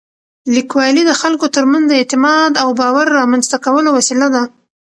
لیکوالی د خلکو تر منځ د اعتماد او باور رامنځته کولو وسیله ده.